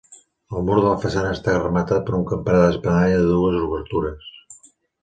El mur de la façana està rematat per un campanar d'espadanya de dues obertures.